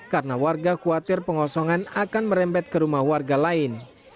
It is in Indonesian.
karena warga khawatir pengosongan akan merembet ke rumah warga lain